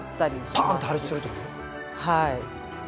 はい。